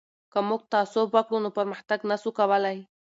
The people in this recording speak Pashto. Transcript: که موږ تعصب وکړو نو پرمختګ نه سو کولای.